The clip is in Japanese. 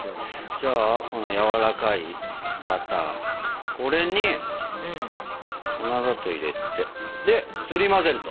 じゃあこの柔らかいバターこれに粉砂糖を入れてですり混ぜると。